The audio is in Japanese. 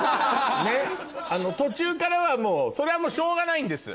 途中からはそれはもうしょうがないんです。